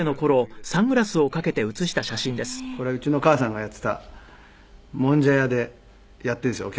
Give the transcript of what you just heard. これうちの母さんがやっていたもんじゃ屋でやっているんですよ